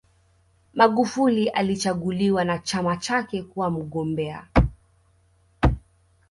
magufuli alichaguliwa na chama chake kuwa mgombea